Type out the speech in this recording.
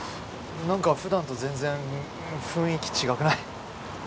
なんかふだんと全然雰囲気違くない？